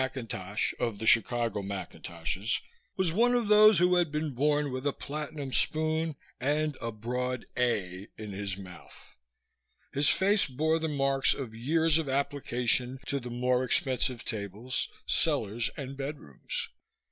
Colonel Ivor McIntosh of the Chicago McIntoshes was one of those who had been born with a platinum spoon and a broad "A" in his mouth. His face bore the marks of years of application to the more expensive tables, cellars and bedrooms.